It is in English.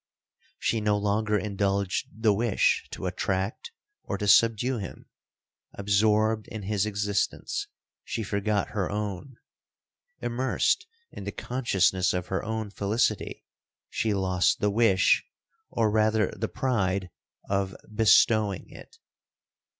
She no longer indulged the wish to attract or to subdue him—absorbed in his existence, she forgot her own—immersed in the consciousness of her own felicity, she lost the wish, or rather the pride, of BESTOWING it.